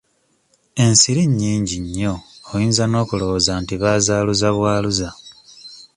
Ensiri nnyingi nnyo oyinza n'okulooza nti bazaaluza bwaluza.